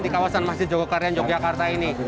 di kawasan masjid jogokaryan yogyakarta ini